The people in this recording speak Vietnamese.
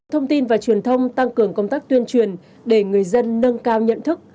thông tin và truyền thông tăng cường công tác tuyên truyền để người dân nâng cao nhận thức